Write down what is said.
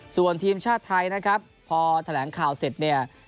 ส่วนทีมชาติไทยนะครับพอแถลงข่าวเสร็จเนี่ย